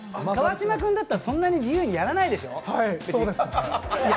川島君だったら、そんなに自由にやらないでしょ？